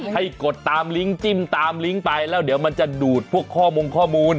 ให้กดตามลิ้งค์จิ้มตามลิ้งค์ไปแล้วมันจะดูดพวกข้อมูล